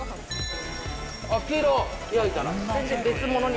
あっ黄色焼いたら。